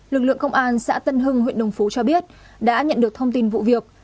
lực lượng công an xã tân hưng huyện đồng phú cho biết đã nhận được thông tin vụ việc